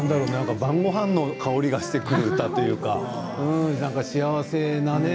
晩ごはんの香りがしてくる歌というか。